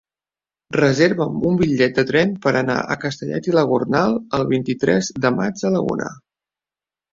Reserva'm un bitllet de tren per anar a Castellet i la Gornal el vint-i-tres de maig a la una.